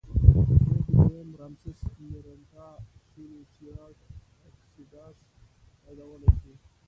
موږ دویم رامسس مېرنټاه سینوسېراټ اګسټاس یادولی شو.